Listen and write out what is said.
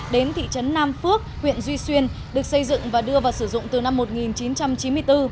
đến thị trấn nam phước huyện duy xuyên được xây dựng và đưa vào sử dụng từ năm một nghìn chín trăm chín mươi bốn